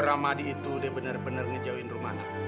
ramadi itu dia bener bener ngejauhin rumana